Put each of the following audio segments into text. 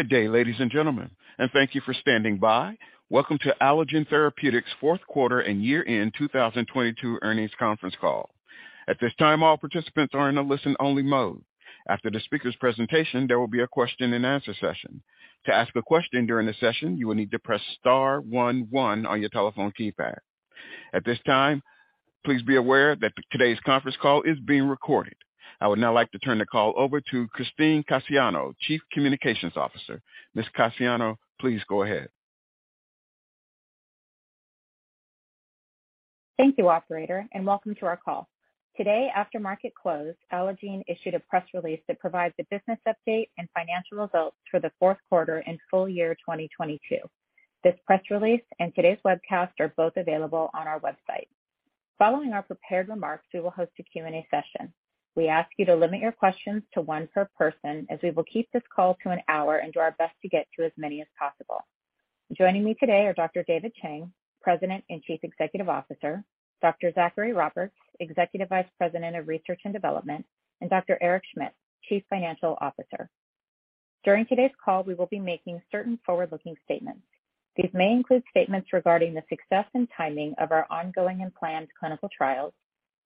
Good day, ladies and gentlemen, and thank you for standing by. Welcome to Allogene Therapeutics fourth quarter and year-end 2022 earnings conference call. At this time, all participants are in a listen-only mode. After the speaker's presentation, there will be a question and answer session. To ask a question during the session, you will need to press star one one on your telephone keypad. At this time, please be aware that today's conference call is being recorded. I would now like to turn the call over to Christine Cassiano, Chief Communications Officer. Ms. Cassiano, please go ahead. Thank you operator, and welcome to our call. Today, after market closed, Allogene issued a press release that provides a business update and financial results for the fourth quarter and full year 2022. This press release and today's webcast are both available on our website. Following our prepared remarks, we will host a Q&A session. We ask you to limit your questions to 1 per person as we will keep this call to an hour and do our best to get to as many as possible. Joining me today are Dr. David Chang, President and Chief Executive Officer, Dr. Zachary Roberts, Executive Vice President of Research and Development, and Dr. Eric Schmidt, Chief Financial Officer. During today's call, we will be making certain forward-looking statements. These may include statements regarding the success and timing of our ongoing and planned clinical trials,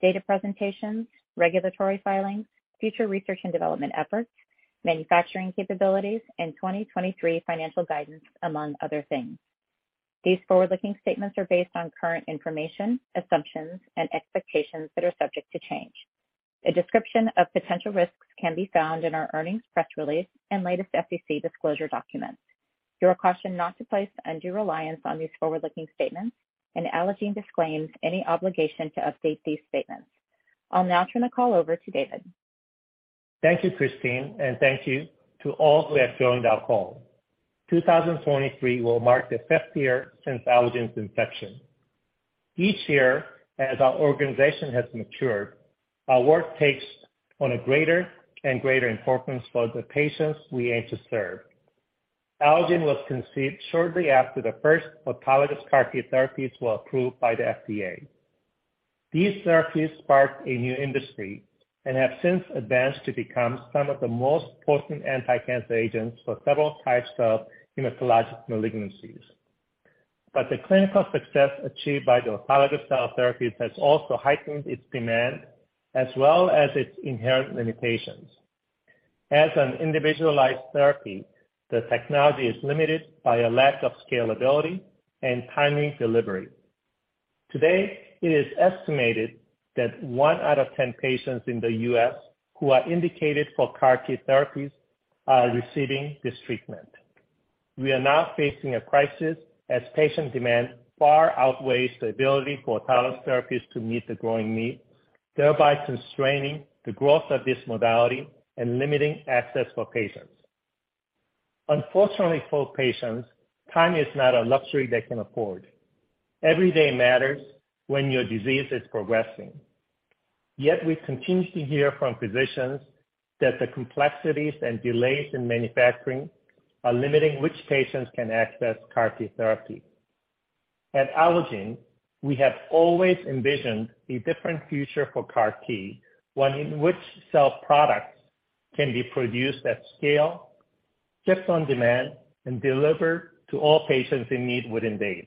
data presentations, regulatory filings, future research and development efforts, manufacturing capabilities, and 2023 financial guidance, among other things. These forward-looking statements are based on current information, assumptions, and expectations that are subject to change. A description of potential risks can be found in our earnings press release and latest SEC disclosure documents. You are cautioned not to place undue reliance on these forward-looking statements, and Allogene disclaims any obligation to update these statements. I'll now turn the call over to David. Thank you, Christine. Thank you to all who have joined our call. 2023 will mark the 5th year since Allogene's inception. Each year, as our organization has matured, our work takes on a greater and greater importance for the patients we aim to serve. Allogene was conceived shortly after the first autologous CAR T therapies were approved by the FDA. These therapies sparked a new industry and have since advanced to become some of the most potent anti-cancer agents for several types of hematologic malignancies. The clinical success achieved by the autologous cell therapies has also heightened its demand as well as its inherent limitations. As an individualized therapy, the technology is limited by a lack of scalability and timely delivery. Today, it is estimated that one out of 10 patients in the U.S. who are indicated for CAR T therapies are receiving this treatment. We are now facing a crisis as patient demand far outweighs the ability for autologous therapies to meet the growing need, thereby constraining the growth of this modality and limiting access for patients. Unfortunately for patients, time is not a luxury they can afford. Every day matters when your disease is progressing. We continue to hear from physicians that the complexities and delays in manufacturing are limiting which patients can access CAR T therapy. At Allogene, we have always envisioned a different future for CAR T, one in which cell products can be produced at scale, just on demand and delivered to all patients in need within days.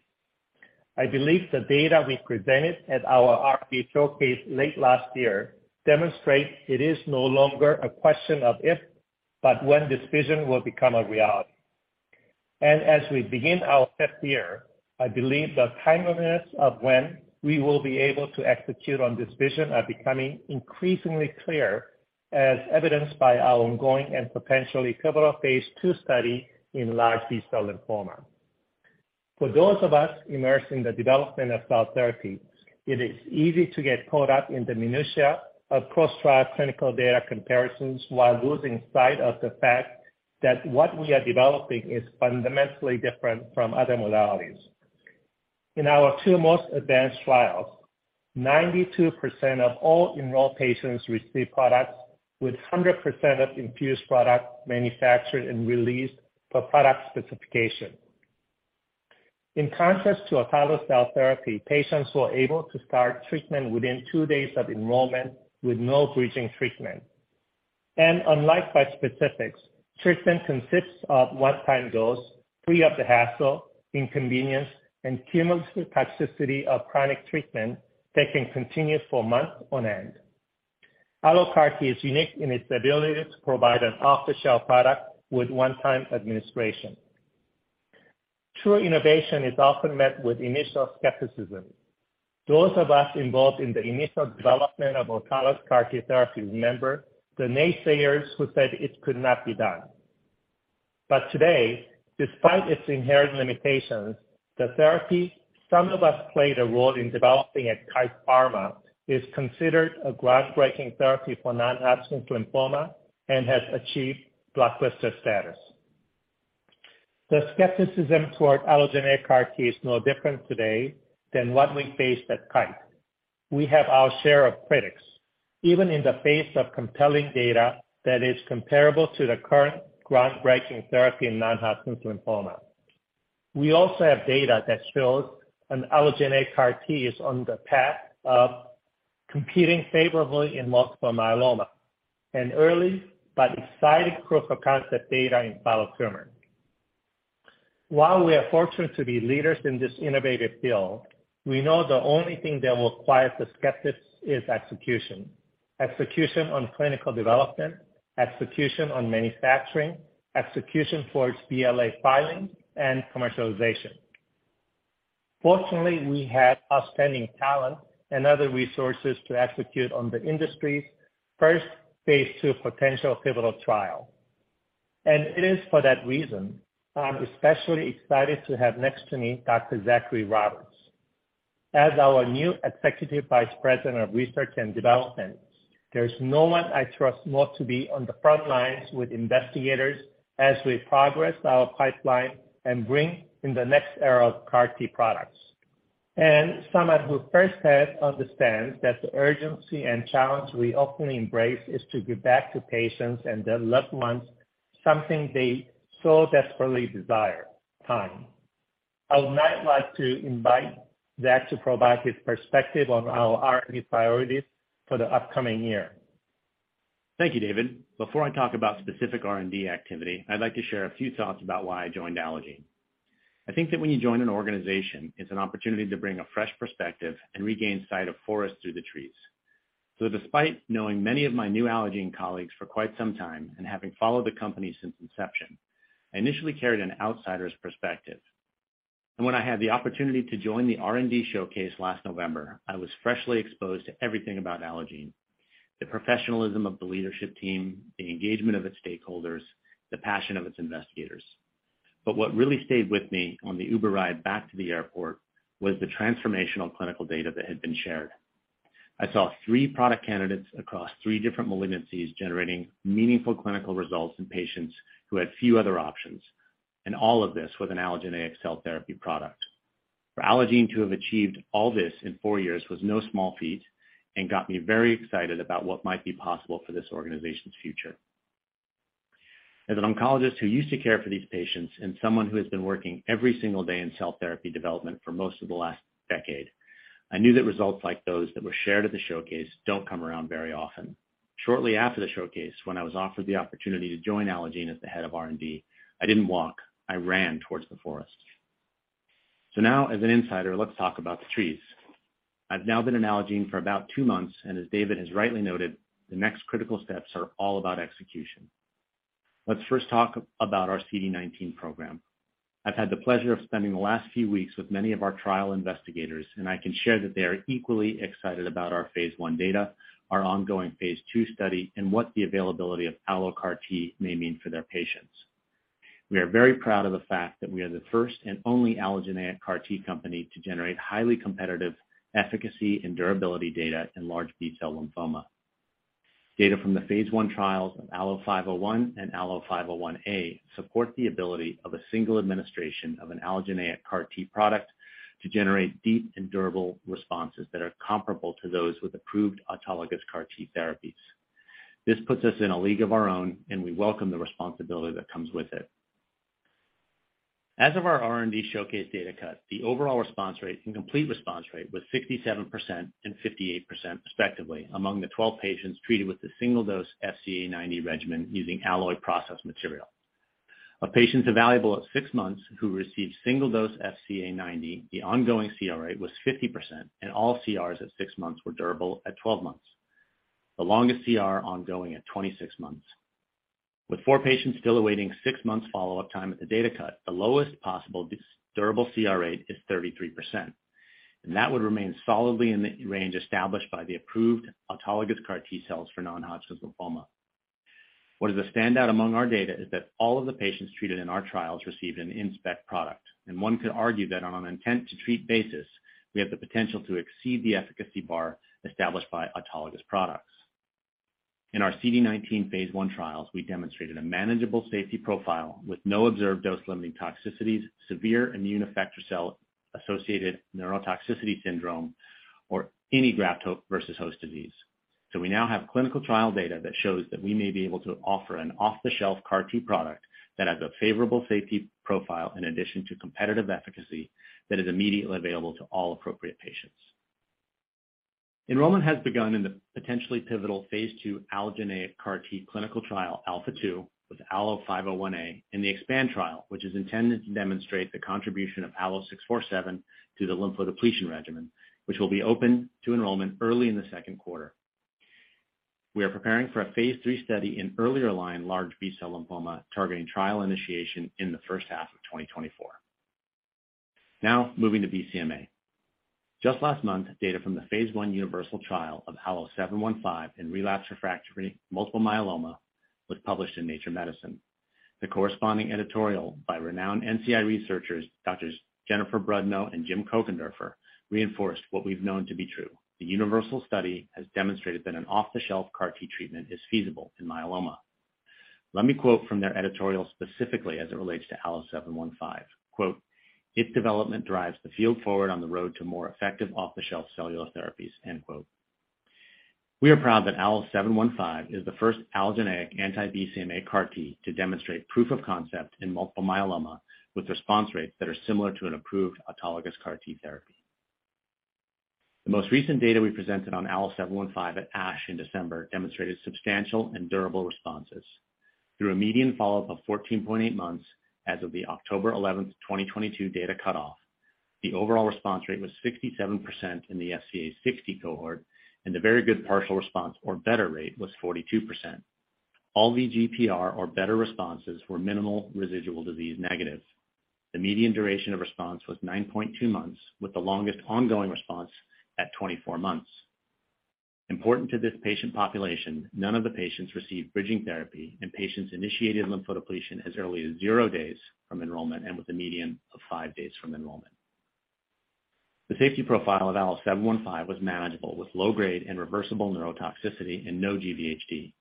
I believe the data we presented at our R&D Showcase late last year demonstrates it is no longer a question of if, but when this vision will become a reality. As we begin our fifth year, I believe the timeliness of when we will be able to execute on this vision are becoming increasingly CLIA, as evidenced by our ongoing and potentially pivotal Phase II study in large B-cell lymphoma. For those of us immersed in the development of cell therapy, it is easy to get caught up in the minutia of cross-trial clinical data comparisons while losing sight of the fact that what we are developing is fundamentally different from other modalities. In our two most advanced trials, 92% of all enrolled patients receive products with 100% of infused product manufactured and released per product specification. In contrast to autologous cell therapy, patients were able to start treatment within two days of enrollment with no bridging treatment. Unlike bispecifics, treatment consists of one-time dose, free of the hassle, inconvenience, and cumulative toxicity of chronic treatment that can continue for months on end. AlloCAR T is unique in its ability to provide an off-the-shelf product with one-time administration. True innovation is often met with initial skepticism. Those of us involved in the initial development of autologous CAR T therapy remember the naysayers who said it could not be done. Today, despite its inherent limitations, the therapy some of us played a role in developing at Kite Pharma is considered a groundbreaking therapy for non-Hodgkin's lymphoma and has achieved blockbuster status. The skepticism toward allogeneic CAR T is no different today than what we faced at Kite. We have our share of critics, even in the face of compelling data that is comparable to the current groundbreaking therapy in non-Hodgkin lymphoma. We also have data that shows an allogeneic CAR T is on the path of competing favorably in multiple myeloma, and early but exciting proof of concept data in solid tumor. While we are fortunate to be leaders in this innovative field, we know the only thing that will quiet the skeptics is execution. Execution on clinical development, execution on manufacturing, execution towards BLA filing and commercialization. Fortunately, we have outstanding talent and other resources to execute on the industry's first Phase 2 potential pivotal trial. It is for that reason I'm especially excited to have next to me, Dr. Zachary Roberts. As our new Executive Vice President of Research and Development, there's no one I trust more to be on the front lines with investigators as we progress our pipeline and bring in the next era of CAR T products. Someone who first had understand that the urgency and challenge we often embrace is to give back to patients and their loved ones, something they so desperately desire, time. I would now like to invite Zach to provide his perspective on our R&D priorities for the upcoming year. Thank you, David. Before I talk about specific R&D activity, I'd like to share a few thoughts about why I joined Allogene. I think that when you join an organization, it's an opportunity to bring a fresh perspective and regain sight of forest through the trees. Despite knowing many of my new Allogene colleagues for quite some time and having followed the company since inception, I initially carried an outsider's perspective. When I had the opportunity to join the R&D Showcase last November, I was freshly exposed to everything about Allogene, the professionalism of the leadership team, the engagement of its stakeholders, the passion of its investigators. What really stayed with me on the Uber ride back to the airport was the transformational clinical data that had been shared. I saw 3 product candidates across three different malignancies generating meaningful clinical results in patients who had few other options, and all of this with an allogeneic cell therapy product. For Allogene to have achieved all this in four years was no small feat and got me very excited about what might be possible for this organization's future. As an oncologist who used to care for these patients and someone who has been working every single day in cell therapy development for most of the last decade, I knew that results like those that were shared at the showcase don't come around very often. Shortly after the showcase, when I was offered the opportunity to join Allogene as the head of R&D, I didn't walk, I ran towards the forest. Now as an insider, let's talk about the trees. I've now been in Allogene for about two months, and as David has rightly noted, the next critical steps are all about execution. Let's first talk about our CD19 program. I've had the pleasure of spending the last few weeks with many of our trial investigators, and I can share that they are equally excited about our Phase I data, our ongoing Phase II study, and what the availability of AlloCAR T may mean for their patients. We are very proud of the fact that we are the first and only allogeneic CAR T company to generate highly competitive efficacy and durability data in large B-cell lymphoma. Data from the Phase I trials of ALLO-501 and ALLO-501A support the ability of a single administration of an allogeneic CAR T product to generate deep and durable responses that are comparable to those with approved autologous CAR T therapies. This puts us in a league of our own, and we welcome the responsibility that comes with it. As of our R&D Showcase data cut, the overall response rate and complete response rate was 67% and 58% respectively among the 12 patients treated with the single-dose FCA 90 regimen using Alloy process material. Of patients evaluable at six months who received single-dose FCA 90, the ongoing CR rate was 50%, and all CRs at six months were durable at 12 months. The longest CR ongoing at 26 months. With four patients still awaiting six months follow-up time at the data cut, the lowest possible durable CR rate is 33%, and that would remain solidly in the range established by the approved autologous CAR T cells for non-Hodgkin lymphoma. What is a standout among our data is that all of the patients treated in our trials received an inspect product, and one could argue that on an intent to treat basis, we have the potential to exceed the efficacy bar established by autologous products. In our CD19 Phase I trials, we demonstrated a manageable safety profile with no observed dose limiting toxicities, severe immune effector cell-associated neurotoxicity syndrome, or any graft versus host disease. We now have clinical trial data that shows that we may be able to offer an off-the-shelf CAR T product that has a favorable safety profile in addition to competitive efficacy that is immediately available to all appropriate patients. Enrollment has begun in the potentially pivotal Phase II allogeneic CAR T clinical trial, ALPHA2, with ALLO-501A in the EXPAND trial, which is intended to demonstrate the contribution of ALLO-647 to the lymphodepletion regimen, which will be open to enrollment early in the second quarter. We are preparing for a Phase III study in earlier line large B-cell lymphoma, targeting trial initiation in the first half of 2024. Now, moving to BCMA. Just last month, data from the Phase 1 UNIVERSAL trial of ALLO-715 in relapse refractory multiple myeloma was published in Nature Medicine. The corresponding editorial by renowned NCI researchers, Doctors Jennifer Brudno and Jim Kochenderfer, reinforced what we've known to be true. The UNIVERSAL study has demonstrated that an off-the-shelf CAR T treatment is feasible in myeloma. Let me quote from their editorial specifically as it relates to ALLO-715. Quote, "Its development drives the field forward on the road to more effective off-the-shelf cellular therapies." End quote. We are proud that ALLO-715 is the first allogeneic anti-BCMA CAR T to demonstrate proof of concept in multiple myeloma with response rates that are similar to an approved autologous CAR T therapy. The most recent data we presented on ALLO-715 at ASH in December demonstrated substantial and durable responses. Through a median follow-up of 14.8 months as of the October 11th, 2022 data cutoff, the overall response rate was 67% in the SCA 60 cohort, and the very good partial response or better rate was 42%. All VGPR or better responses were minimal residual disease negative. The median duration of response was 9.2 months, with the longest ongoing response at 24 months. Important to this patient population, none of the patients received bridging therapy, and patients initiated lymphodepletion as early as zero days from enrollment and with a median of five days from enrollment. The safety profile of ALLO-715 was manageable with low grade and reversible neurotoxicity and no GVHD.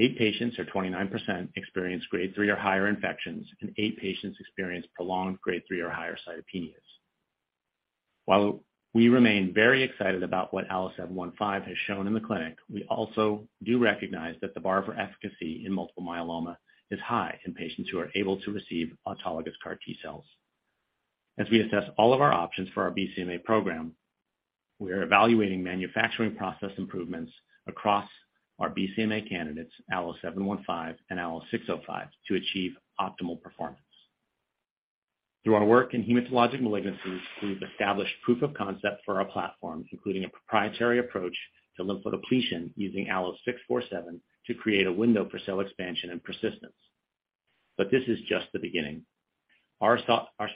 Eight patients or 29% experienced Grade 3 or higher infections, and eight patients experienced prolonged Grade 3 or higher cytopenias. While we remain very excited about what ALLO-715 has shown in the clinic, we also do recognize that the bar for efficacy in multiple myeloma is high in patients who are able to receive autologous CAR T-cells. As we assess all of our options for our BCMA program, we are evaluating manufacturing process improvements across our BCMA candidates, ALLO-715 and ALLO-605, to achieve optimal performance. Through our work in hematologic malignancies, we've established proof of concept for our platform, including a proprietary approach to lymphodepletion using ALLO-647 to create a window for cell expansion and persistence. This is just the beginning. Our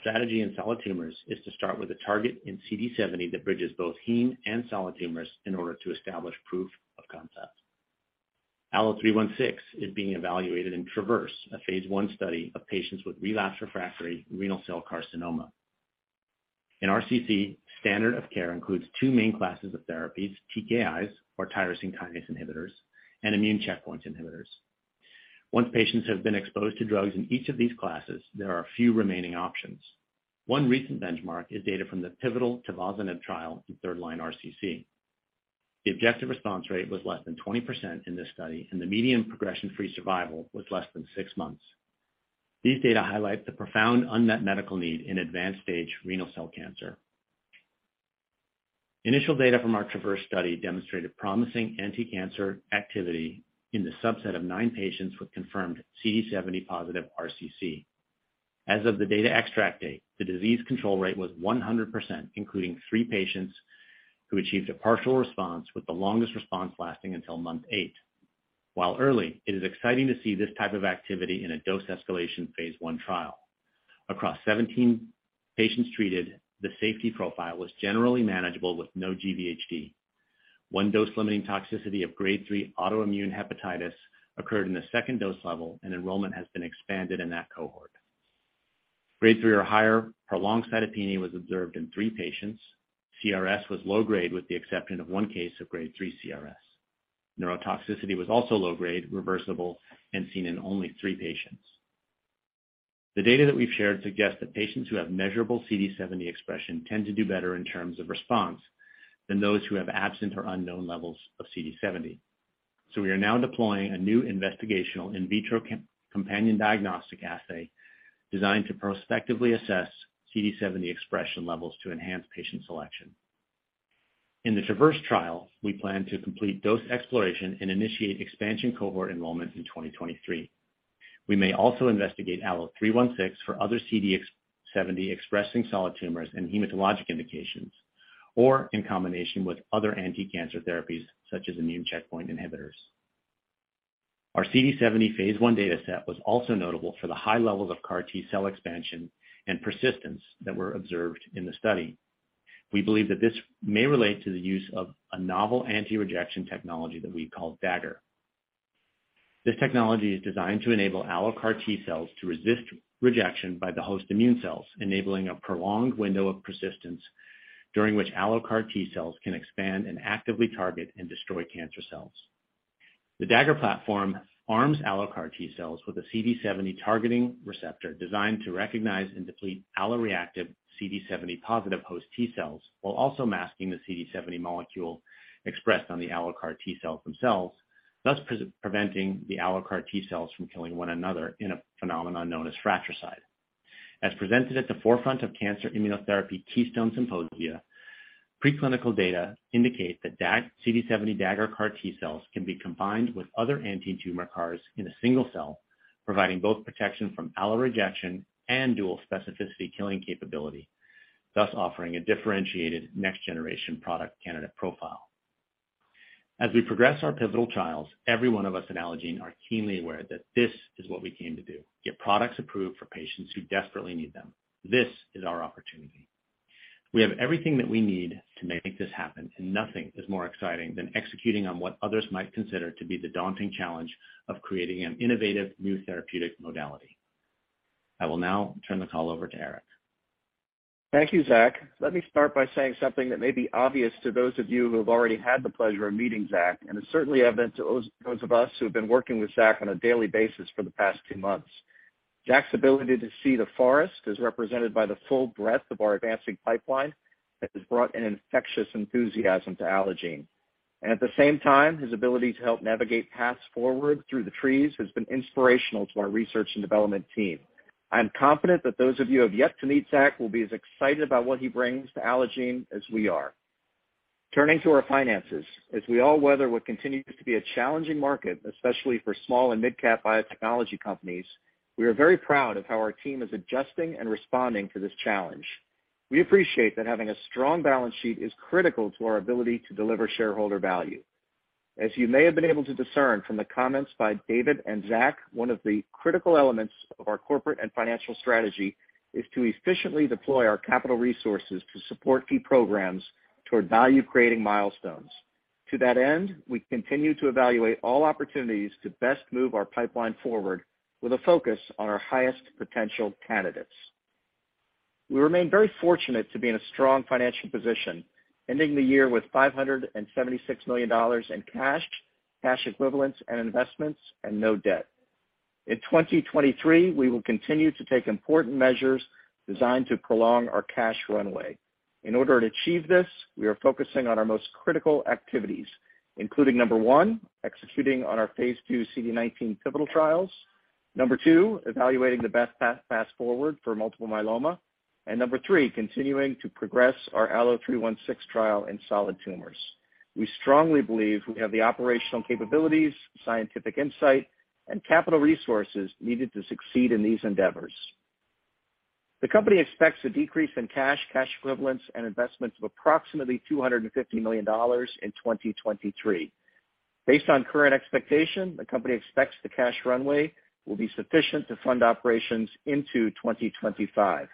strategy in solid tumors is to start with a target in CD70 that bridges both heme and solid tumors in order to establish proof of concept. ALLO-316 is being evaluated in TRAVERSE, a Phase I study of patients with relapse refractory renal cell carcinoma. In RCC, standard of care includes two main classes of therapies, TKIs, or tyrosine kinase inhibitors, and immune checkpoint inhibitors. Once patients have been exposed to drugs in each of these classes, there are a few remaining options. One recent benchmark is data from the pivotal tivozanib trial in third line RCC. The objective response rate was less than 20% in this study, and the median progression-free survival was less than six months. These data highlight the profound unmet medical need in advanced stage renal cell carcinoma. Initial data from our TRAVERSE study demonstrated promising anticancer activity in the subset of nine patients with confirmed CD70 positive RCC. As of the data extract date, the disease control rate was 100%, including three patients who achieved a partial response with the longest response lasting until month eight. While early, it is exciting to see this type of activity in a dose escalation Phase I trial. Across 17 patients treated, the safety profile was generally manageable with no GVHD. One dose-limiting toxicity of Grade 3 autoimmune hepatitis occurred in the second dose level, and enrollment has been expanded in that cohort. Grade three or higher prolonged cytopenia was observed in three patients. CRS was low grade with the exception of one case of grade three CRS. Neurotoxicity was also low grade, reversible, and seen in only three patients. The data that we've shared suggests that patients who have measurable CD70 expression tend to do better in terms of response than those who have absent or unknown levels of CD70. We are now deploying a new investigational in vitro companion diagnostic assay designed to prospectively assess CD70 expression levels to enhance patient selection. In the TRAVERSE trial, we plan to complete dose exploration and initiate expansion cohort enrollment in 2023. We may also investigate ALLO-316 for other CD70 expressing solid tumors and hematologic indications, or in combination with other anticancer therapies such as immune checkpoint inhibitors. Our CD70 Phase I data set was also notable for the high levels of CAR T-cell expansion and persistence that were observed in the study. We believe that this may relate to the use of a novel anti-rejection technology that we call Dagger. This technology is designed to enable AlloCAR T-cells to resist rejection by the host immune cells, enabling a prolonged window of persistence during which AlloCAR T-cells can expand and actively target and destroy cancer cells. The Dagger platform arms AlloCAR T-cells with a CD70-targeting receptor designed to recognize and deplete alloreactive CD70-positive host T-cells while also masking the CD70 molecule expressed on the AlloCAR T-cells themselves, thus preventing the AlloCAR T-cells from killing one another in a phenomenon known as fratricide. As presented at the forefront of cancer immunotherapy Keystone Symposia, preclinical data indicate that DAG- CD70 Dagger CAR T-cells can be combined with other anti-tumor CARs in a single cell, providing both protection from allo rejection and dual specificity killing capability, thus offering a differentiated next generation product candidate profile. As we progress our pivotal trials, every one of us in Allogene are keenly aware that this is what we came to do, get products approved for patients who desperately need them. This is our opportunity. We have everything that we need to make this happen, and nothing is more exciting than executing on what others might consider to be the daunting challenge of creating an innovative new therapeutic modality. I will now turn the call over to Eric. Thank you, Zach. Let me start by saying something that may be obvious to those of you who have already had the pleasure of meeting Zach, and is certainly evident to those of us who have been working with Zach on a daily basis for the past two months. Zach's ability to see the forest is represented by the full breadth of our advancing pipeline that has brought an infectious enthusiasm to Allogene. At the same time, his ability to help navigate paths forward through the trees has been inspirational to our research and development team. I am confident that those of you who have yet to meet Zach will be as excited about what he brings to Allogene as we are. Turning to our finances, as we all weather what continues to be a challenging market, especially for small and mid-cap biotechnology companies, we are very proud of how our team is adjusting and responding to this challenge. We appreciate that having a strong balance sheet is critical to our ability to deliver shareholder value. As you may have been able to discern from the comments by David and Zach, one of the critical elements of our corporate and financial strategy is to efficiently deploy our capital resources to support key programs toward value-creating milestones. To that end, we continue to evaluate all opportunities to best move our pipeline forward with a focus on our highest potential candidates. We remain very fortunate to be in a strong financial position, ending the year with $576 million in cash equivalents and investments and no debt. In 2023, we will continue to take important measures designed to prolong our cash runway. In order to achieve this, we are focusing on our most critical activities, including nomber one, executing on our Phase II CD19 pivotal trials. Number two, evaluating the best path forward for multiple myeloma. Number three, continuing to progress our ALLO-316 trial in solid tumors. We strongly believe we have the operational capabilities, scientific insight, and capital resources needed to succeed in these endeavors. The company expects a decrease in cash equivalents, and investments of approximately $250 million in 2023. Based on current expectation, the company expects the cash runway will be sufficient to fund operations into 2025.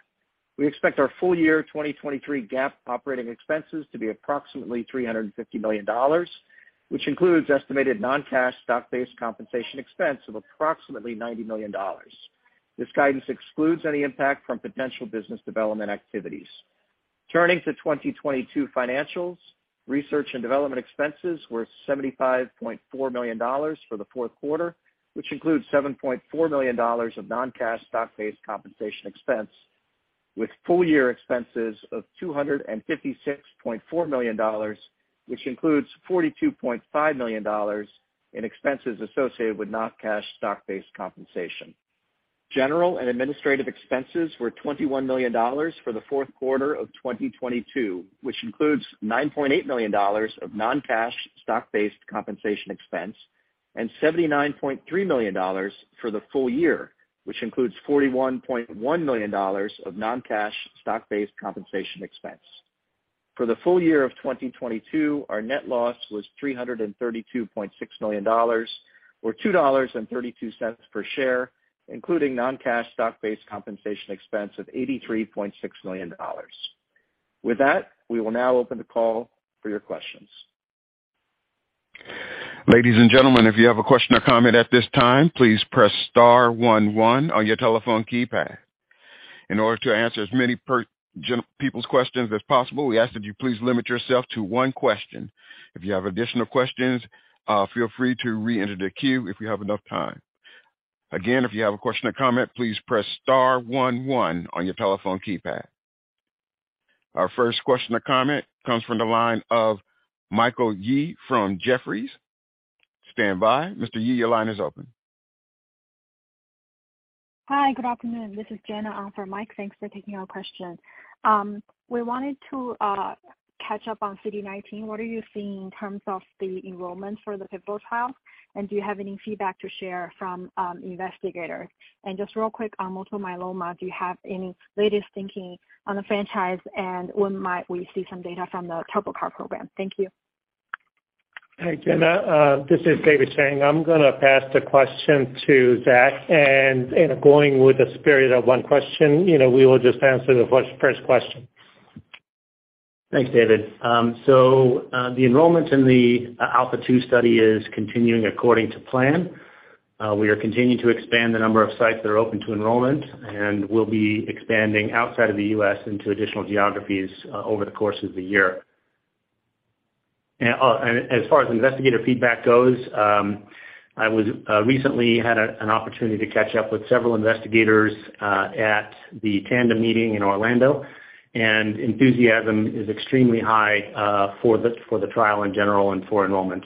We expect our full year 2023 GAAP operating expenses to be approximately $350 million, which includes estimated non-cash stock-based compensation expense of approximately $90 million. This guidance excludes any impact from potential business development activities. Turning to 2022 financials, research and development expenses were $75.4 million for the fourth quarter, which includes $7.4 million of non-cash stock-based compensation expense, with full year expenses of $256.4 million, which includes $42.5 million in expenses associated with non-cash stock-based compensation. General and administrative expenses were $21 million for the fourth quarter of 2022, which includes $9.8 million of non-cash stock-based compensation expense and $79.3 million for the full year, which includes $41.1 million of non-cash stock-based compensation expense. For the full year of 2022, our net loss was $332.6 million or $2.32 per share, including non-cash stock-based compensation expense of $83.6 million. With that, we will now open the call for your questions. Ladies and gentlemen, if you have a question or comment at this time, please press star one one on your telephone keypad. In order to answer as many people's questions as possible, we ask that you please limit yourself to one question. If you have additional questions, feel free to reenter the queue if we have enough time. Again, if you have a question or comment, please press star one one on your telephone keypad. Our first question or comment comes from the line of Michael Yee from Jefferies. Standby. Mr. Yee, your line is open. Hi, good afternoon. This is Jenna on for Mike. Thanks for taking our question. We wanted to catch up on CD19. What are you seeing in terms of the enrollment for the pivotal trial? Do you have any feedback to share from investigators? Just real quick on multiple myeloma, do you have any latest thinking on the franchise? When might we see some data from the TurboCAR program? Thank you. Hi, Jenna. This is David Chang. I'm gonna pass the question to Zach. Going with the spirit of one question, you know, we will just answer the first question. Thanks, David. The enrollment in the ALPHA2 study is continuing according to plan. We are continuing to expand the number of sites that are open to enrollment, and we'll be expanding outside of the U.S. into additional geographies over the course of the year. As far as investigator feedback goes, I recently had an opportunity to catch up with several investigators at the Tandem meeting in Orlando, and enthusiasm is extremely high for the trial in general and for enrollment.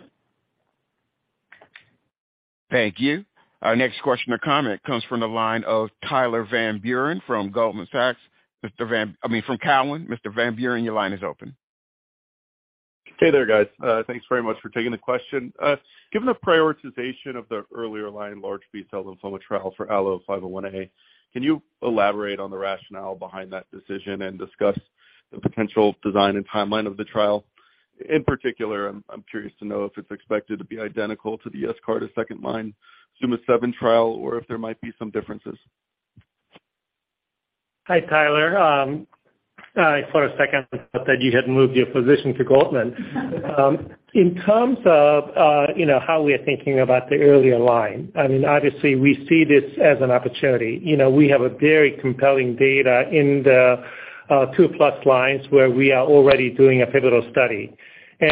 Thank you. Our next question or comment comes from the line of Tyler Van Buren from Goldman Sachs. I mean, from Cowen. Mr. Van Buren, your line is open. Hey there, guys. Thanks very much for taking the question. Given the prioritization of the earlier line large B-cell lymphoma trial for ALLO-501A, can you elaborate on the rationale behind that decision and discuss the potential design and timeline of the trial? In particular, I'm curious to know if it's expected to be identical to the Yescarta second-line ZUMA-7 trial or if there might be some differences? Hi, Tyler. I for a second thought that you had moved your position to Goldman. In terms of, you know, how we are thinking about the earlier line, I mean, obviously we see this as an opportunity. You know, we have a very compelling data in the. 2+ lines where we are already doing a pivotal study. You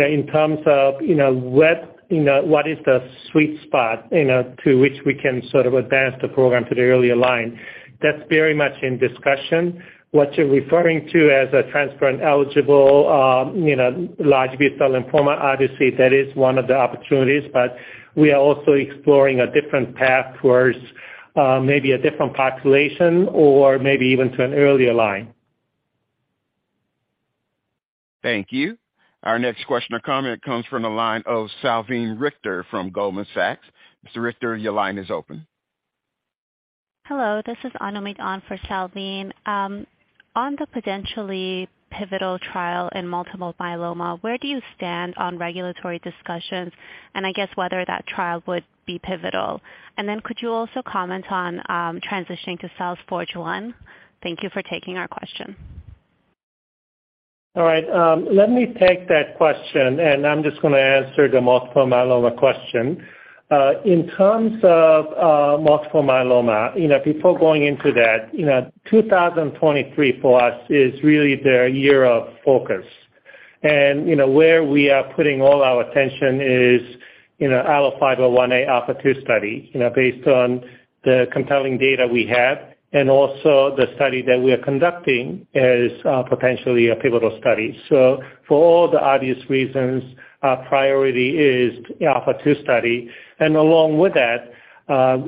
know, in terms of, you know, what, you know, what is the sweet spot, you know, to which we can sort of advance the program to the earlier line, that's very much in discussion. What you're referring to as a transplant-eligible, you know, large B-cell lymphoma, obviously, that is one of the opportunities, but we are also exploring a different path towards, maybe a different population or maybe even to an earlier line. Thank you. Our next question or comment comes from the line of Salveen Richter from Goldman Sachs. Mr. Richter, your line is open. Hello, this is Anami on for Salveen Richter. On the potentially pivotal trial in multiple myeloma, where do you stand on regulatory discussions? I guess whether that trial would be pivotal. Could you also comment on transitioning to cells for June? Thank you for taking our question. All right. Let me take that question, and I'm just gonna answer the multiple myeloma question. In terms of multiple myeloma, you know, before going into that, you know, 2023 for us is really the year of focus. Where we are putting all our attention is, you know, ALLO-501A ALPHA2 study, you know, based on the compelling data we have and also the study that we are conducting as potentially a pivotal study. For all the obvious reasons, our priority is the ALPHA2 study. Along with that,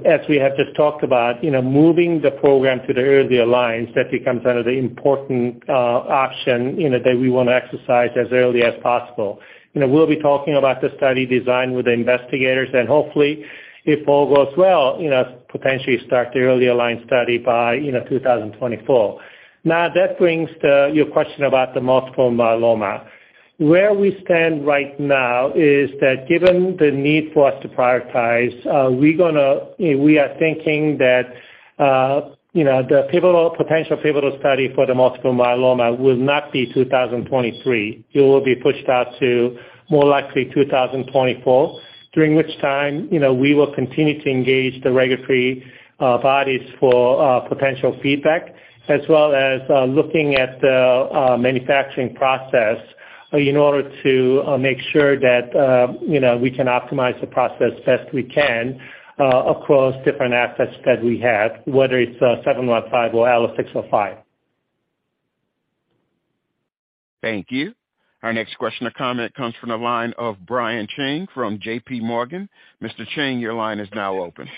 as we have just talked about, you know, moving the program to the earlier lines, that becomes another important option, you know, that we wanna exercise as early as possible. You know, we'll be talking about the study design with the investigators and hopefully if all goes well, you know, potentially start the earlier line study by, you know, 2024. That brings to your question about the multiple myeloma. Where we stand right now is that given the need for us to prioritize, we gonna, you know, we are thinking that, you know, the potential pivotal study for the multiple myeloma will not be 2023. It will be pushed out to more likely 2024, during which time, you know, we will continue to engage the regulatory bodies for potential feedback, as well as looking at the manufacturing process in order to make sure that, you know, we can optimize the process best we can across different assets that we have, whether it's 715 or ALLO-605. Thank you. Our next question or comment comes from the line of Brian Cheng from JPMorgan. Mr. Cheng, your line is now open.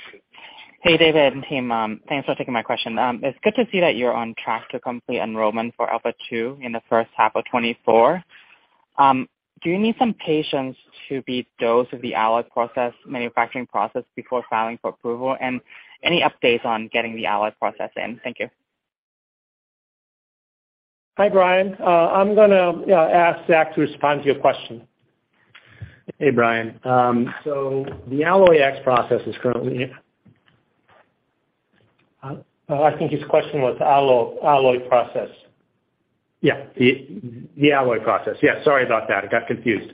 Hey, David and team. Thanks for taking my question. It's good to see that you're on track to complete enrollment for ALPHA2 in the first half of 2024. Do you need some patients to be dosed with the Allo process, manufacturing process before filing for approval? Any updates on getting the Allo process in? Thank you. Hi, Brian. I'm gonna ask Zach to respond to your question. Hey, Brian. The Alloy X process. I think his question was Alloy process. The Alloy process. Yeah, sorry about that. I got confused.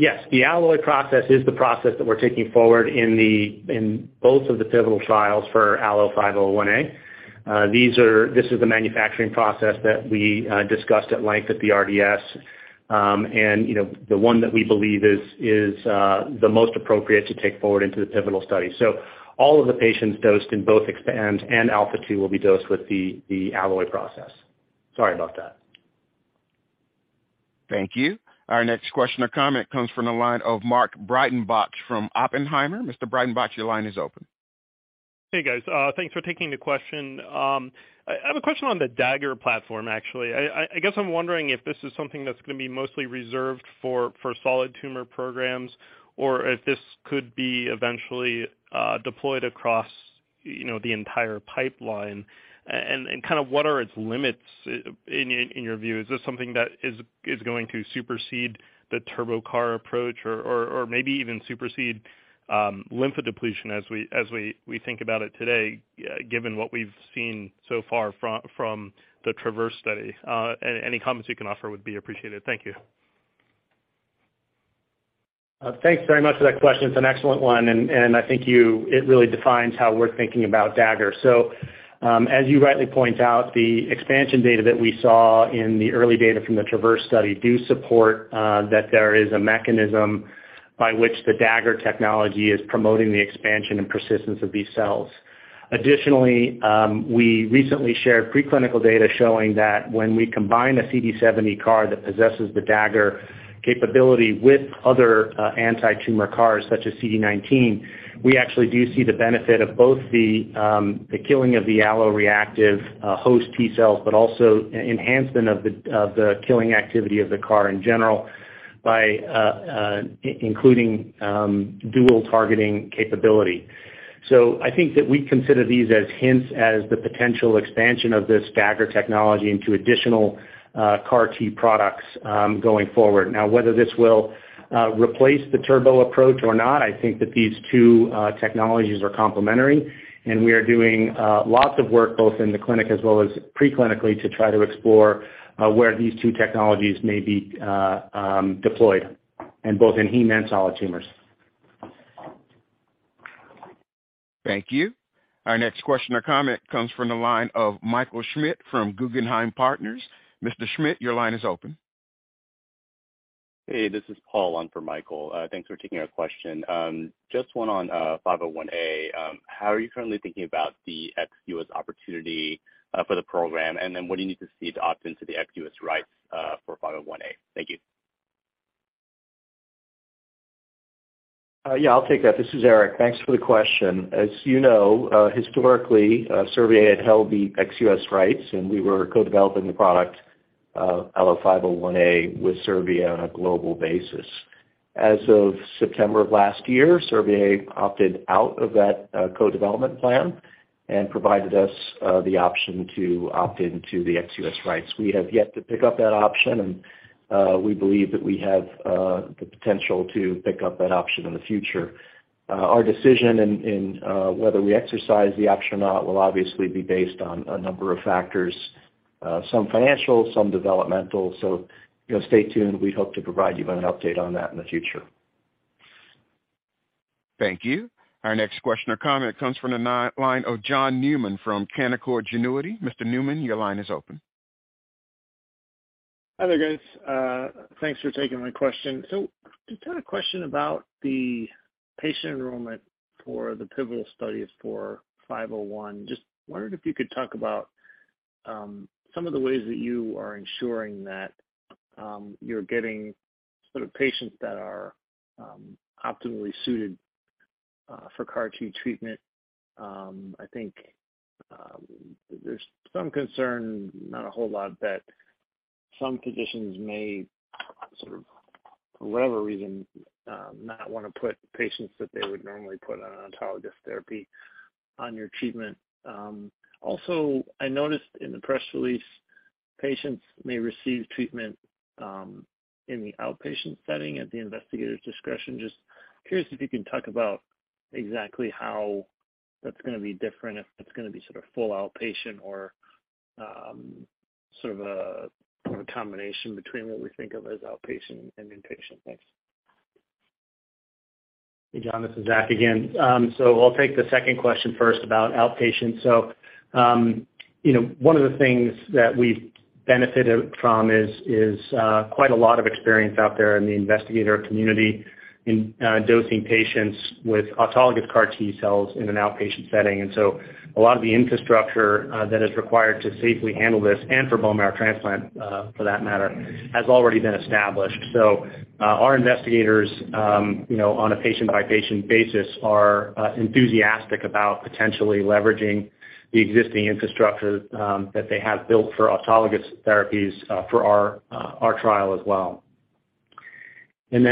Yes, the Alloy process is the process that we're taking forward in both of the pivotal trials for ALLO-501A. This is the manufacturing process that we discussed at length at the RDS, and you know, the one that we believe is the most appropriate to take forward into the pivotal study. All of the patients dosed in both EXPAND and ALPHA2 will be dosed with the Alloy process. Sorry about that. Thank you. Our next question or comment comes from the line of Mark Breitenbach from Oppenheimer. Mr. Breitenbach, your line is open. Hey, guys. Thanks for taking the question. I have a question on the Dagger platform, actually. I guess I'm wondering if this is something that's gonna be mostly reserved for solid tumor programs or if this could be eventually deployed across, you know, the entire pipeline. Kind of what are its limits in your view? Is this something that is going to supersede the TurboCAR approach or maybe even supersede lymphodepletion as we think about it today, given what we've seen so far from the TRAVERSE study? Any comments you can offer would be appreciated. Thank you. Thanks very much for that question. It's an excellent one, and I think it really defines how we're thinking about Dagger. As you rightly point out, the expansion data that we saw in the early data from the TRAVERSE study do support that there is a mechanism by which the Dagger technology is promoting the expansion and persistence of these cells. Additionally, we recently shared preclinical data showing that when we combine a CD70 CAR that possesses the Dagger capability with other antitumor CARs such as CD19, we actually do see the benefit of both the killing of the allo-reactive host T-cells, but also enhancement of the killing activity of the CAR in general by including dual targeting capability. I think that we consider these as hints as the potential expansion of this Dagger technology into additional CAR T products going forward. Now, whether this will replace the Turbo approach or not, I think that these two technologies are complementary, and we are doing lots of work both in the clinic as well as preclinically to try to explore where these two technologies may be deployed, and both in solid tumors. Thank you. Our next question or comment comes from the line of Michael Schmidt from Guggenheim Partners. Mr. Schmidt, your line is open. Hey, this is Paul on for Michael. Thanks for taking our question. Just one on 501A. How are you currently thinking about the ex-U.S. opportunity for the program? What do you need to see to opt into the ex-US rights for 501A? Thank you. Yeah, I'll take that. This is Eric. Thanks for the question. As you know, historically, Servier had held the ex-U.S. rights, and we were co-developing the product, ALLO-501A with Servier on a global basis. As of September of last year, Servier opted out of that co-development plan and provided us the option to opt into the ex-U.S. rights. We have yet to pick up that option, we believe that we have the potential to pick up that option in the future. Our decision whether we exercise the option or not will obviously be based on a number of factors, some financial, some developmental. You know, stay tuned. We hope to provide you with an update on that in the future. Thank you. Our next question or comment comes from the line of John Newman from Canaccord Genuity. Mr. Newman, your line is open. Hi there, guys. Thanks for taking my question. Just had a question about the patient enrollment for the pivotal studies for ALLO-501. Just wondered if you could talk about some of the ways that you are ensuring that you're getting sort of patients that are optimally suited for CAR T treatment. I think there's some concern, not a whole lot, that some physicians may sort of, for whatever reason, not wanna put patients that they would normally put on autologous therapy on your treatment. Also, I noticed in the press release, patients may receive treatment in the outpatient setting at the investigator's discretion. Just curious if you can talk about exactly how that's gonna be different, if it's gonna be sort of full outpatient or, sort of a, or a combination between what we think of as outpatient and inpatient. Thanks. Hey, John, this is Zach again. I'll take the second question first about outpatient. You know, one of the things that we've benefited from is quite a lot of experience out there in the investigator community in dosing patients with autologous CAR T-cells in an outpatient setting. A lot of the infrastructure that is required to safely handle this and for bone marrow transplant, for that matter, has already been established. Our investigators, you know, on a patient-by-patient basis are enthusiastic about potentially leveraging the existing infrastructure that they have built for autologous therapies for our trial as well. As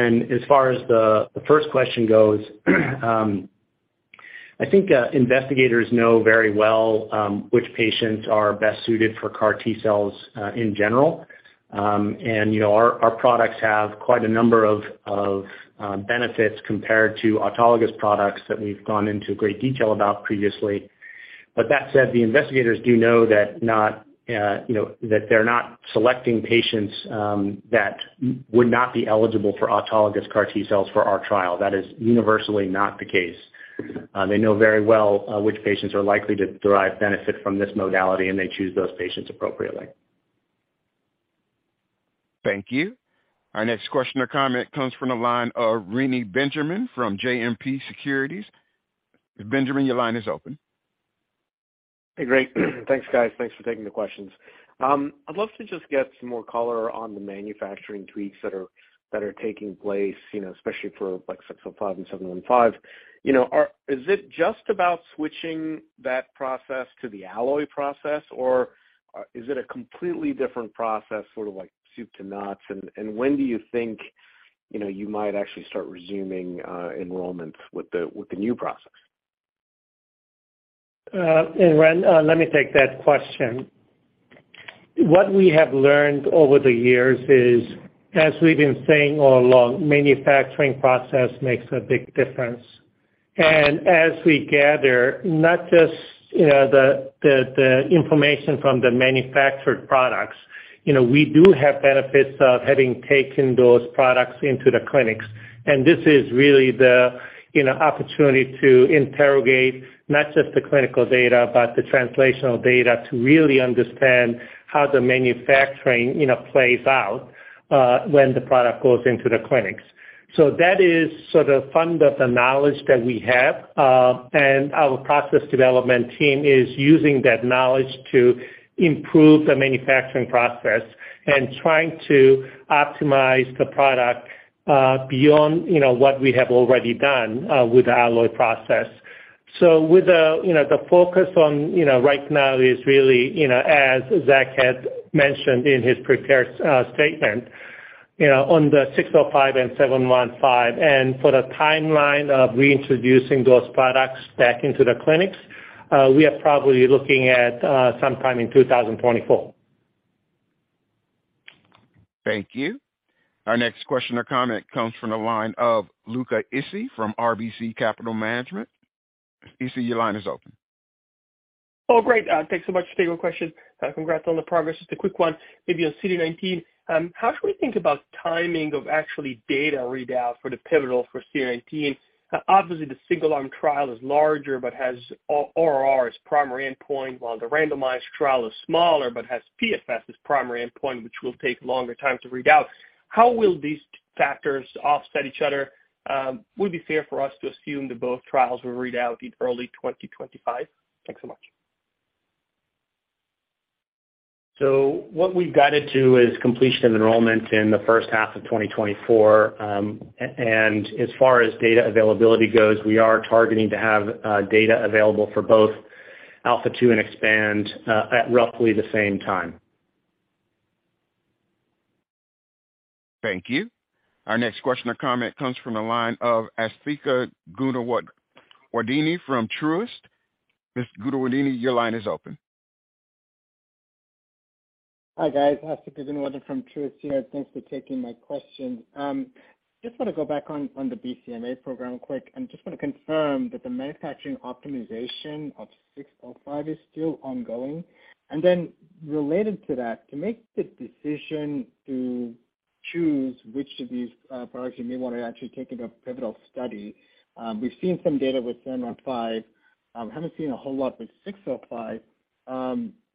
far as the first question goes, I think investigators know very well which patients are best suited for CAR T-cells in general. you know, our products have quite a number of benefits compared to autologous products that we've gone into great detail about previously. That said, the investigators do know that not, you know, that they're not selecting patients that would not be eligible for autologous CAR T-cells for our trial. That is universally not the case. They know very well which patients are likely to derive benefit from this modality, and they choose those patients appropriately. Thank you. Our next question or comment comes from the line of Reni Benjamin from JMP Securities. Benjamin, your line is open. Hey, great. Thanks, guys. Thanks for taking the questions. I'd love to just get some more color on the manufacturing tweaks that are taking place, you know, especially for like ALLO-605 and ALLO-715. You know, Is it just about switching that process to the Alloy process, or is it a completely different process, sort of like soup to nuts? When do you think, you know, you might actually start resuming enrollments with the new process? Reni, let me take that question. What we have learned over the years is, as we've been saying all along, manufacturing process makes a big difference. As we gather, not just, you know, the information from the manufactured products, you know, we do have benefits of having taken those products into the clinics. This is really the, you know, opportunity to interrogate not just the clinical data, but the translational data to really understand how the manufacturing, you know, plays out when the product goes into the clinics. That is sort of fund of the knowledge that we have. Our process development team is using that knowledge to improve the manufacturing process and trying to optimize the product, beyond, you know, what we have already done with the Alloy process. With the, you know, the focus on, you know, right now is really, you know, as Zach had mentioned in his prepared statement, you know, on the ALLO-605 and ALLO-715. For the timeline of reintroducing those products back into the clinics, we are probably looking at sometime in 2024. Thank you. Our next question or comment comes from the line of Luca Issi from RBC Capital Markets. Issi, your line is open. Oh, great. Thanks so much for taking our question. Congrats on the progress. Just a quick one, maybe on CD19. How should we think about timing of actually data readout for the pivotal for CD19? Obviously, the single arm trial is larger but has ORR as primary endpoint, while the randomized trial is smaller but has PFS as primary endpoint, which will take longer time to read out. How will these factors offset each other? Would it be fair for us to assume that both trials will read out in early 2025? Thanks so much. What we've guided to is completion of enrollment in the first half of 2024. and as far as data availability goes, we are targeting to have data available for both ALPHA2 and EXPAND at roughly the same time. Thank you. Our next question or comment comes from the line of Asthika Goonewardene from Truist. Ms. Goonewardene, your line is open. Hi, guys. Asthika Goonewardene from Truist here. Thanks for taking my question. Just want to go back on the BCMA program quick and just want to confirm that the manufacturing optimization of six oh five is still ongoing. Related to that, to make the decision to choose which of these products you may want to actually take in a pivotal study, we've seen some data with seven one five. Haven't seen ALLO-605.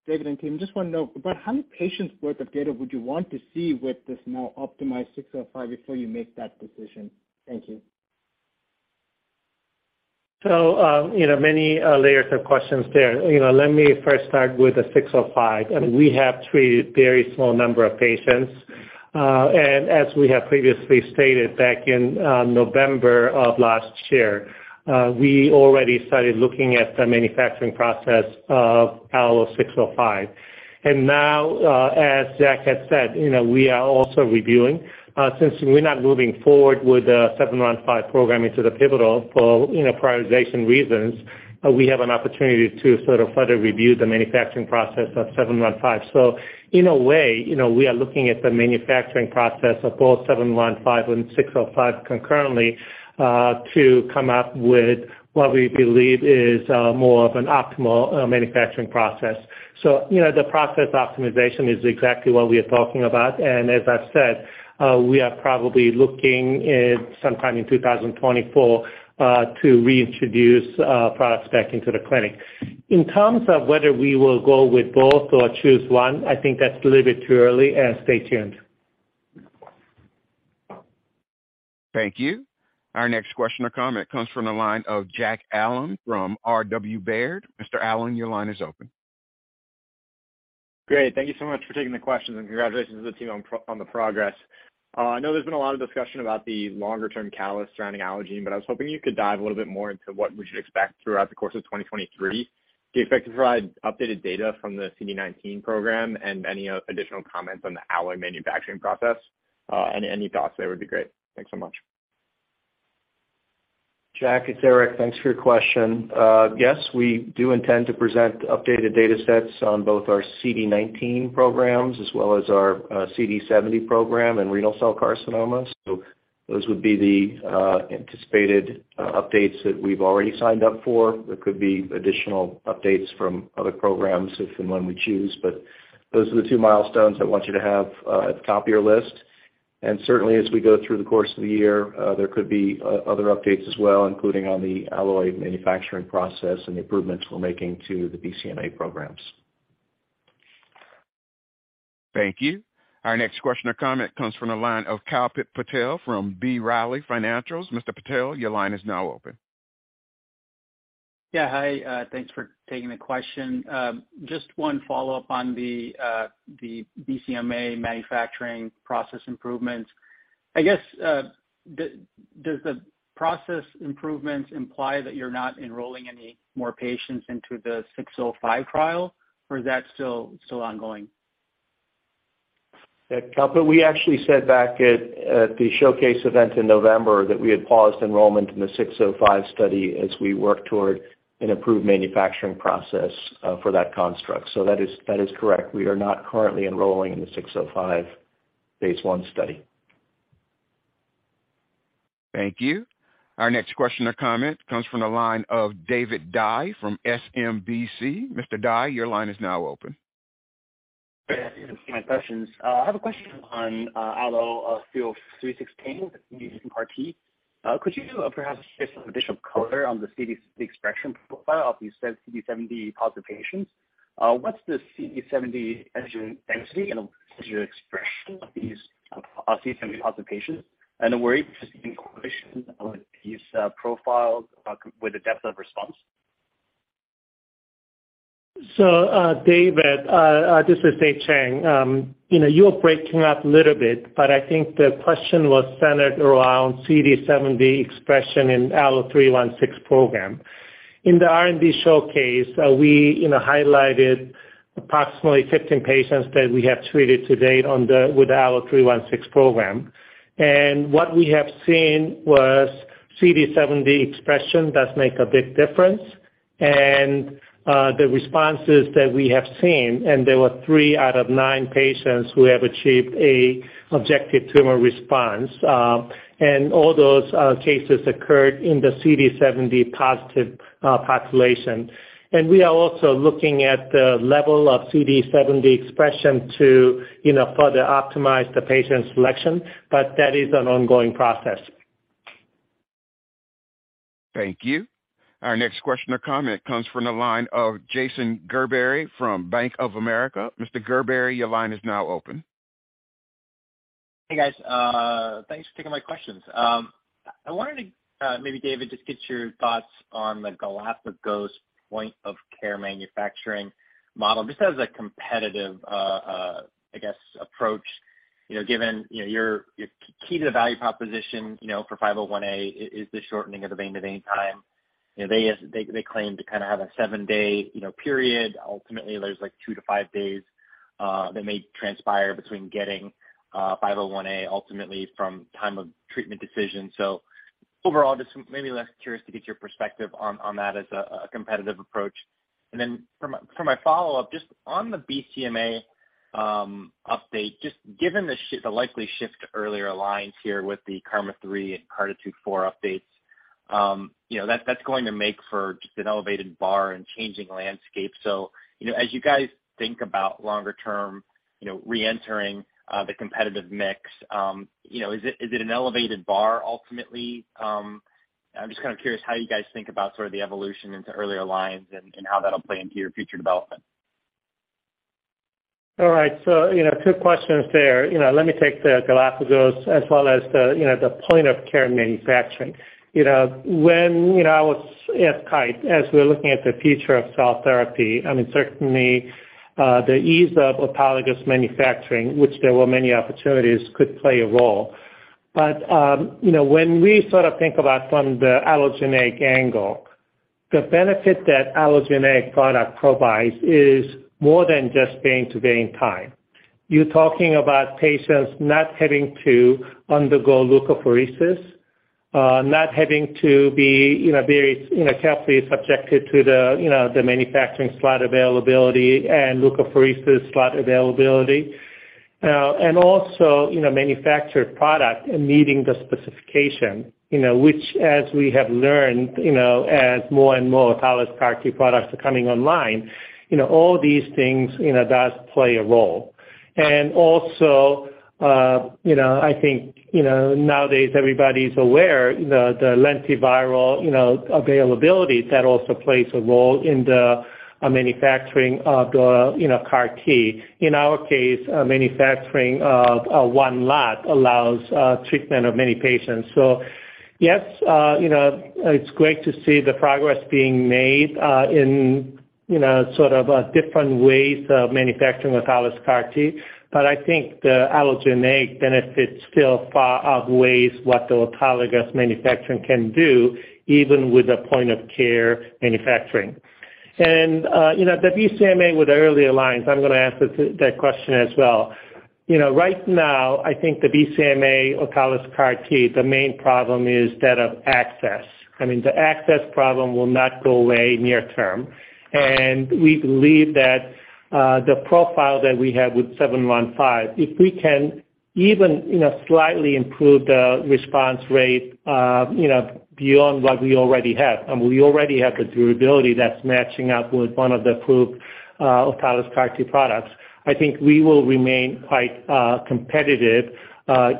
David and team, just want to know about how many patients worth of data would you want to see with this now optimized six oh five before you make that decision? Thank you. You know, many layers of questions there. You know, let me first start with the ALLO-605. I mean, we have treated very small number of patients. As we have previously stated back in November of last year, we already started looking at the manufacturing process of ALLO-605. Now, as Zach had said, you know, we are also reviewing, since we're not moving forward with the ALLO-715 program into the pivotal for, you know, prioritization reasons, we have an opportunity to sort of further review the manufacturing process of ALLO-715. In a way, you know, we are looking at the manufacturing process of both ALLO-715 and ALLO-605 concurrently, to come up with what we believe is more of an optimal manufacturing process. You know, the process optimization is exactly what we are talking about. As I said, we are probably looking at sometime in 2024 to reintroduce products back into the clinic. In terms of whether we will go with both or choose one, I think that's a little bit too early, stay tuned. Thank you. Our next question or comment comes from the line of Jack Allen from RW Baird. Mr. Allen, your line is open. Great. Thank you so much for taking the questions and congratulations to the team on the progress. I know there's been a lot of discussion about the longer-term catalyst surrounding Allogene, but I was hoping you could dive a little bit more into what we should expect throughout the course of 2023. Do you expect to provide updated data from the CD19 program and any additional comments on the Alloy manufacturing process? Any thoughts there would be great. Thanks so much. Jack, it's Eric. Thanks for your question. Yes, we do intend to present updated data sets on both our CD19 programs as well as our CD70 program and renal cell carcinoma. Those would be the anticipated updates that we've already signed up for. There could be additional updates from other programs if and when we choose, but those are the two milestones I want you to have at the top of your list. Certainly, as we go through the course of the year, there could be other updates as well, including on the Alloy manufacturing process and the improvements we're making to the BCMA programs. Thank you. Our next question or comment comes from the line of Kalpit Patel from B. Riley Financials. Mr. Patel, your line is now open. Yeah. Hi, thanks for taking the question. Just one follow-up on the BCMA manufacturing process improvements. I guess, does the process improvements imply that you're not enrolling any more patients into the ALLO-605 trial or is that still ongoing? Kalpit, we actually said back at the R&D Showcase in November that we had paused enrollment in the ALLO-605 study as we work toward an improved manufacturing process for that construct. That is correct. We are not currently enrolling in the ALLO-605 Phase I study. Thank you. Our next question or comment comes from the line of David Dai from SMBC. Mr. Dai, your line is now open. Yeah. Thank you for taking my questions. I have a question on ALLO-316 using CAR T. Could you perhaps shed some additional color on the CD expression profile of these CD70 positive patients? What's the CD70 density and tissue expression of these CD70 positive patients, and are we seeing correlation of these profiles with the depth of response? David, this is David Chang. You know, you were breaking up a little bit, but I think the question was centered around CD70 expression in ALLO-316 program. In the R&D Showcase, we, you know, highlighted approximately 15 patients that we have treated to date with the ALLO-316 program. What we have seen was CD70 expression does make a big difference. And the responses that we have seen, there were three out of 9 patients who have achieved a objective tumor response. All those cases occurred in the CD70 positive population. We are also looking at the level of CD70 expression to, you know, further optimize the patient selection, but that is an ongoing process. Thank you. Our next question or comment comes from the line of Jason Gerberry from Bank of America. Mr. Gerberry, your line is now open. Hey, guys. Thanks for taking my questions. I wanted to, maybe David, just get your thoughts on the Galapagos point-of-care manufacturing model, just as a competitive, I guess approach, you know, given, you know, your key to the value proposition, you know, for ALLO-501A is the shortening of the vein of any time. They claim to kind of have a seven-day, you know, period. Ultimately, there's, like, two to five days that may transpire between getting ALLO-501A ultimately from time of treatment decisions. Overall, just maybe less curious to get your perspective on that as a competitive approach. For my, for my follow-up, just on the BCMA update, just given the likely shift to earlier lines here with the KarMMa-3 and CARTITUDE-4 updates, you know, that's going to make for just an elevated bar and changing landscape. You know, as you guys think about longer term, you know, reentering the competitive mix, you know, is it an elevated bar ultimately? I'm just kind of curious how you guys think about sort of the evolution into earlier lines and how that'll play into your future development. You know, two questions there. You know, let me take the Galapagos as well as the, you know, the point-of-care manufacturing. You know, when, you know, I was at Kite, as we're looking at the future of cell therapy, I mean, certainly, the ease of autologous manufacturing, which there were many opportunities, could play a role. You know, when we sort of think about from the allogeneic angle, the benefit that allogeneic product provides is more than just being to vein time. You're talking about patients not having to undergo leukapheresis, not having to be, you know, very, you know, carefully subjected to the, you know, the manufacturing slot availability and leukapheresis slot availability. Also, you know, manufacture product and meeting the specification, you know, which as we have learned, you know, as more and more autologous CAR T products are coming online, you know, all these things, you know, does play a role. Also, you know, I think, you know, nowadays everybody's aware the lentiviral, you know, availability that also plays a role in the manufacturing of the, you know, CAR T. In our case, manufacturing of one lot allows treatment of many patients. Yes, you know, it's great to see the progress being made in, you know, sort of different ways of manufacturing autologous CAR T. I think the allogeneic benefits still far outweighs what the autologous manufacturing can do, even with the point-of-care manufacturing. You know, the BCMA with early alliance, I'm gonna ask that question as well. You know, right now, I think the BCMA autologous CAR T, the main problem is that of access. I mean, the access problem will not go away near term. We believe that the profile that we have with 715, if we can even, you know, slightly improve the response rate, you know, beyond what we already have, and we already have the durability that's matching up with one of the approved autologous CAR T products, I think we will remain quite competitive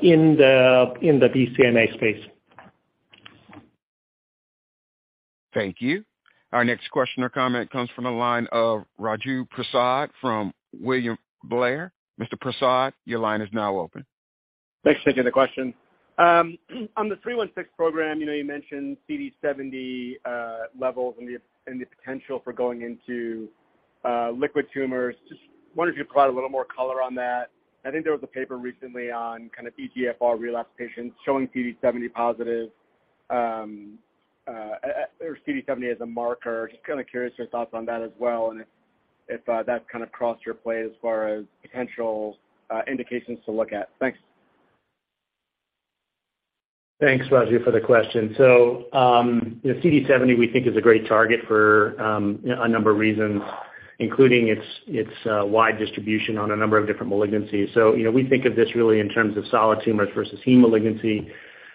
in the BCMA space. Thank you. Our next question or comment comes from the line of Raju Prasad from William Blair. Mr. Prasad, your line is now open. Thanks for taking the question. On the 316 program, you know, you mentioned CD70 levels and the potential for going into liquid tumors. Just wonder if you provide a little more color on that? I think there was a paper recently on kind of EGFR relapse patients showing CD70 positive, or CD70 as a marker. Just kind of curious your thoughts on that as well, and if that's kind of crossed your plate as far as potential indications to look at. Thanks. Thanks, Raju, for the question. You know, CD70, we think is a great target for a number of reasons, including its wide distribution on a number of different malignancies. You know, we think of this really in terms of solid tumors versus heme malignancy.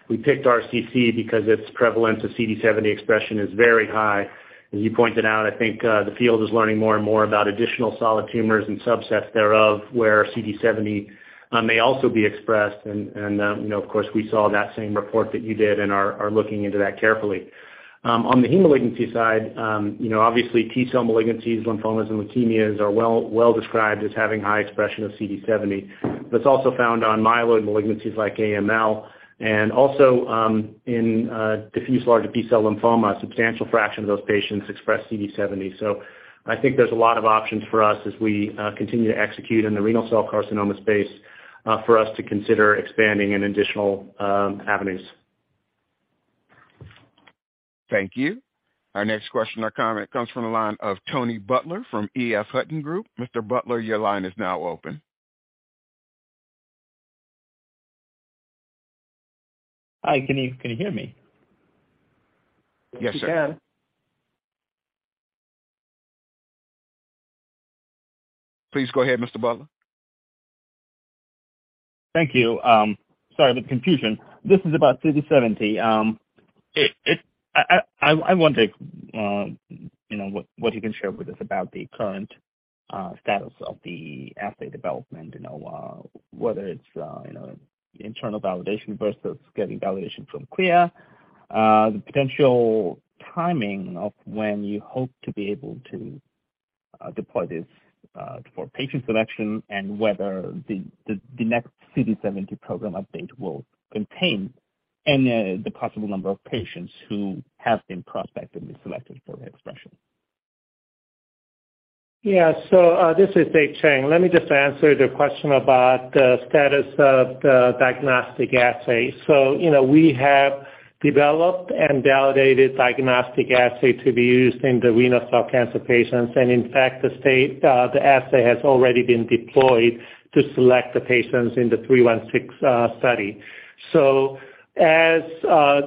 We picked RCC because its prevalence of CD70 expression is very high. As you pointed out, I think, the field is learning more and more about additional solid tumors and subsets thereof, where CD70 may also be expressed. You know, of course, we saw that same report that you did and are looking into that carefully. On the heme malignancy side, you know, obviously T-cell malignancies, lymphomas, and leukemias are well described as having high expression of CD70. It's also found on myeloid malignancies like AML and also, in diffuse large B-cell lymphoma, a substantial fraction of those patients express CD70. I think there's a lot of options for us as we continue to execute in the renal cell carcinoma space, for us to consider expanding in additional avenues. Thank you. Our next question or comment comes from the line of Tony Butler from EF Hutton Group. Mr. Butler, your line is now open. Hi, can you hear me? Yes, sir. Yes, we can. Please go ahead, Mr. Butler. Thank you. Sorry for the confusion. This is about CD70. I wonder, you know, what you can share with us about the current status of the assay development, you know, whether it's, you know, internal validation versus getting validation from CLIA, the potential timing of when you hope to be able to deploy this for patient selection and whether the next CD70 program update will contain any of the possible number of patients who have been prospectively selected for expression. This is David Chang. Let me just answer the question about the status of the diagnostic assay. You know, we have developed and validated diagnostic assay to be used in the renal cell carcinoma patients. In fact, the assay has already been deployed to select the patients in the ALLO-316 study. As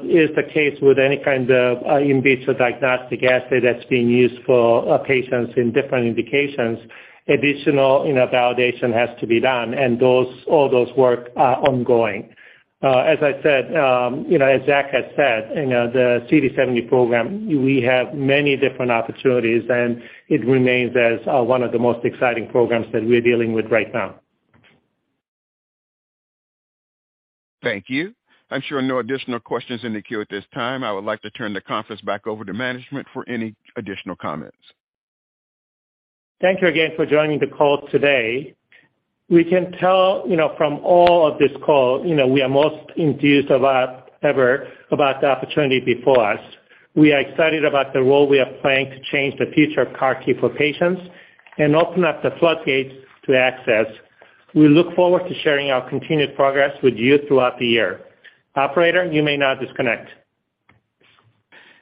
is the case with any kind of in vitro diagnostic assay that's being used for patients in different indications, additional, you know, validation has to be done. All those work are ongoing. As I said, you know, as Zach has said, you know, the CD70 program, we have many different opportunities, it remains as one of the most exciting programs that we're dealing with right now. Thank you. I'm showing no additional questions in the queue at this time. I would like to turn the conference back over to management for any additional comments. Thank you again for joining the call today. We can tell, you know, from all of this call, you know, we are most enthused about the opportunity before us. We are excited about the role we are playing to change the future of CAR T for patients and open up the floodgates to access. We look forward to sharing our continued progress with you throughout the year. Operator, you may now disconnect.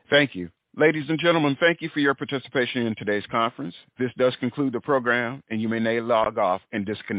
Thank you. Ladies and gentlemen, thank you for your participation in today's conference. This does conclude the program. You may now log off and disconnect.